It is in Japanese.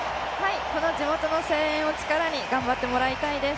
地元の声援を力に頑張ってもらいたいです。